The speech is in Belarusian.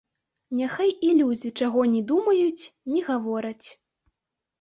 Няхай і людзі чаго не думаюць, не гавораць.